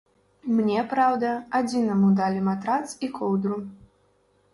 Мне, праўда, адзінаму далі матрац і коўдру.